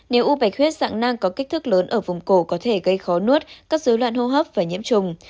nếu u bạch huyết dạng nang có kích thước lớn ở vùng cổ có thể gây khó nuốt cắt dấu loạn hôn hợp và nhiễm trùng